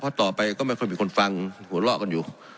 เพราะต่อไปก็ไม่ค่อยมีคนฟังหัวเราะกันอยู่